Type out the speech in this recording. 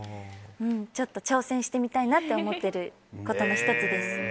ちょっと挑戦してみたいなと思っていることの１つです。